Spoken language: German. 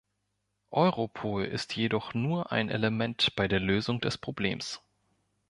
Europol ist jedoch nur ein Element bei der Lösung des Problems.